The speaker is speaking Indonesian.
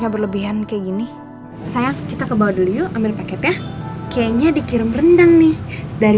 berlebihan kayak gini sayang kita kebawah dulu yo amir paketnya kayaknya dikirim rendang nih dari